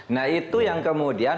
nah itu yang kemudian